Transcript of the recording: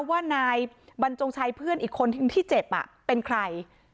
ว่านายบรรจงชัยเพื่อนอีกคนที่เจ็บเป็นใคร